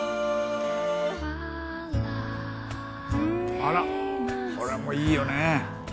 あらこれもいいよね。